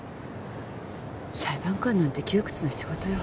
裁判官なんて窮屈な仕事よ。